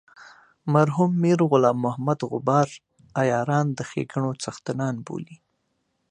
مرحوم میر غلام محمد غبار عیاران د ښیګڼو څښتنان بولي.